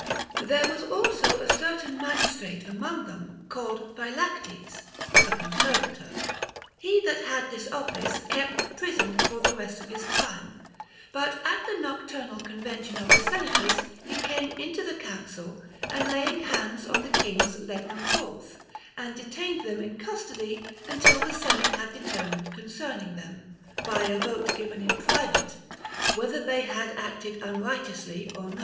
There was also a certain magistrate among them, called Phylactes (a conservator) ; he that had this office kept the prison for the rest of his time ; but at the nocturnal convention of the senators he came into the council, and laying hands on the kings led them forth, and detained them in custody until the senate had determined concerning them, by a vote given in private, whether they had acted unrighteously or not.